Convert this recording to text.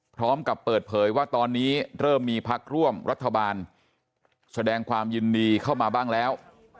พร้อมกับเปิดเผยว่าตอนนี้เริ่มมีพักร่วมรัฐบาลแสดงความยินดีเข้ามาบ้างแล้ว